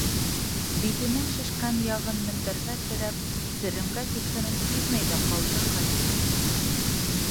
Битенең шешкән яғын мендәргә терәп серемгә киткәнен һиҙмәй ҙә ҡалды Харис.